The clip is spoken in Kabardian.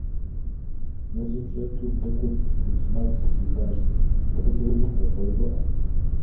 Мэзым щӀэту здэкӀуэм, цӏыхубз макъ зэхихащ: «АдэкӀэ умыкӀуэ, къэувыӀэ!».